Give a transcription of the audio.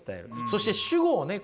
そして主語をね